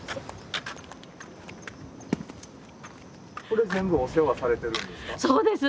これ全部お世話されてるんですか？